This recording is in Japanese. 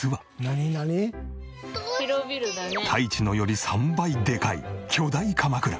たいちのより３倍でかい巨大かまくら。